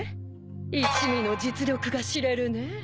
一味の実力が知れるねぇ。